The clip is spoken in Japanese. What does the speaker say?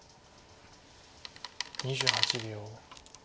２８秒。